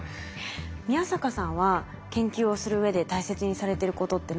宮坂さんは研究をするうえで大切にされてることって何ですか？